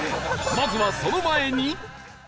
まずはその前に